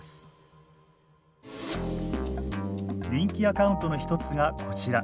人気アカウントの一つがこちら。